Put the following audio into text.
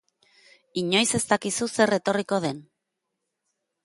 Inoiz ez dakizu zer etorriko den.